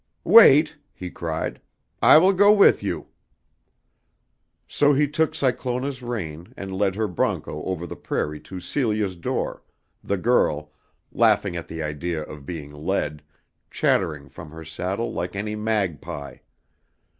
"Wait," he cried. "I will go with you." So he took Cyclona's rein and led her broncho over the prairie to Celia's door, the girl, laughing at the idea of being led, chattering from her saddle like any magpie.